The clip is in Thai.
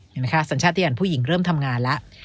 เห็นไหมคะสัญชาติยานผู้หญิงเริ่มทำงานแล้ว